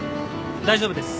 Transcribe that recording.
大丈夫です。